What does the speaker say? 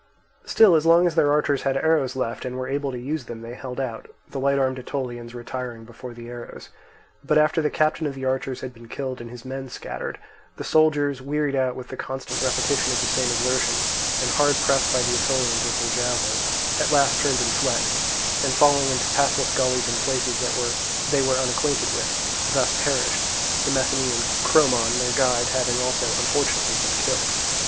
Still as long as their archers had arrows left and were able to use them, they held out, the light armed Aetolians retiring before the arrows; but after the captain of the archers had been killed and his men scattered, the soldiers, wearied out with the constant repetition of the same exertions and hard pressed by the Aetolians with their javelins, at last turned and fled, and falling into pathless gullies and places that they were unacquainted with, thus perished, the Messenian Chromon, their guide, having also unfortunately been killed.